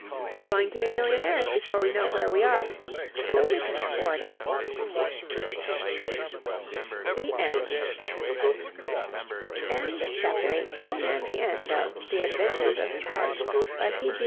We're going to be millionaires before we know where we are, so we can afford it." THE END End of Project Gutenberg's The Adventures of Sally, by P.